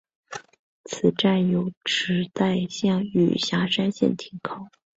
此站有池袋线与狭山线停靠。